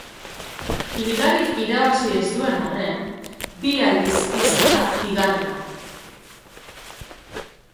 Ligarik irabazi ez duen arren bi aldiz izan da bigarrena.